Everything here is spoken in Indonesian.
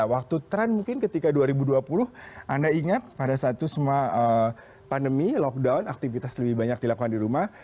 waktu tren mungkin ketika dua ribu dua puluh anda ingat pada saat itu semua pandemi lockdown aktivitas lebih banyak dilakukan di rumah